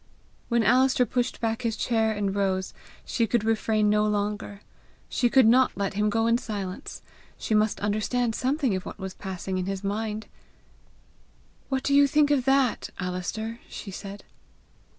When Alister pushed back his chair and rose, she could refrain no longer. She could not let him go in silence. She must understand something of what was passing in his mind! "What do you think of THAT, Alister?" she said.